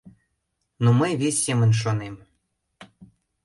Но мый вес семын шонем!